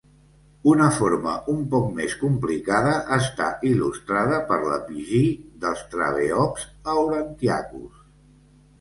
Una forma un poc més complicada està il·lustrada per l'epigí dels "trabeops aurantiacus".